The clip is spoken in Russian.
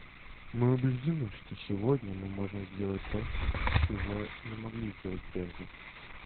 Мы убеждены, что сегодня мы можем сделать то, чего не могли сделать прежде.